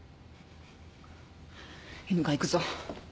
犬飼行くぞ。